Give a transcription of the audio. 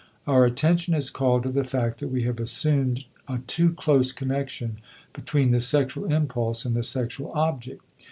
Our attention is called to the fact that we have assumed a too close connection between the sexual impulse and the sexual object.